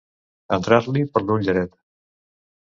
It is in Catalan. Entrar-li per l'ull dret.